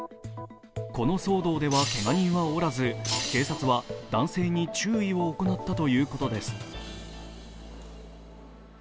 この騒動ではけが人はおらず警察は男性に注意を行ったということです。